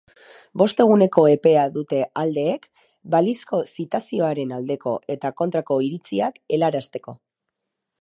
Bost eguneko epea dute aldeek balizko zitazioaren aldeko eta kontrako iritziak helarazteko.